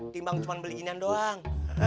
timbang cuma beli inan doang